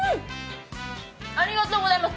ありがとうございます。